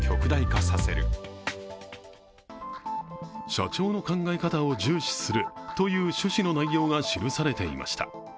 社長の考え方を重視するという趣旨の内容が記されていました。